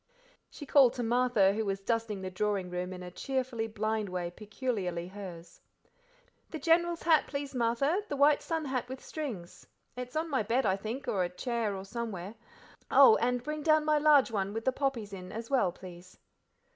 She called to Martha, who was dusting the drawing room in a cheerfully blind way peculiarly hers. "The General's hat, please, Martha, the white sun hat with strings; it's on my bed, I think, or a chair or somewhere oh! and bring down my large one with the poppies in, as well, please."